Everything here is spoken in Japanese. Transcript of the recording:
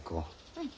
うん。